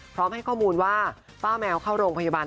พร้อมให้ข้อมูลว่าป้าแมวเข้าโรงพยาบาล